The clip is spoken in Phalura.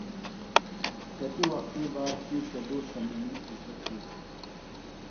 کتی وختیۡ باد تی چدُور سمئینی اِزدہ تِھیلوۡ۔